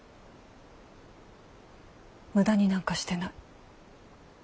無駄になんかしてない。